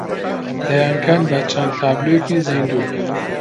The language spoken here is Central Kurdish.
دەیانکەن بە چەند تابلۆیەکی زیندوو